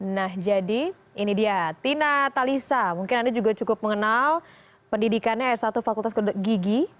nah jadi ini dia tina talisa mungkin anda juga cukup mengenal pendidikannya r satu fakultas gigi